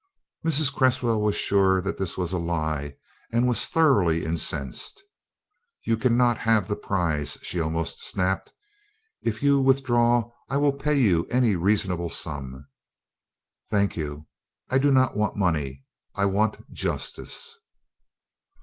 Mrs. Cresswell was sure that this was a lie and was thoroughly incensed. "You cannot have the prize," she almost snapped. "If you will withdraw I will pay you any reasonable sum." "Thank you. I do not want money; I want justice."